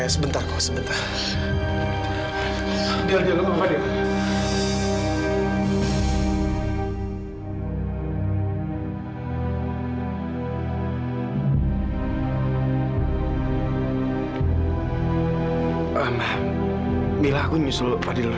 mampir tidak tahu apa yang terjadi ini